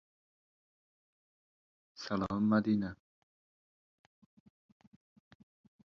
Bu dunyonint bir kamligini pesh qilib, o‘z kamchiliklaringizga bu qadar yopishib olmang.